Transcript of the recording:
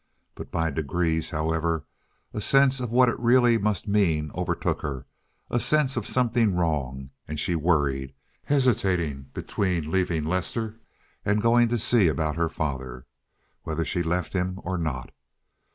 But by degrees, however, a sense of what it really must mean overtook her—a sense of something wrong, and she worried, hesitating between leaving Lester and going to see about her father, whether she left him or not.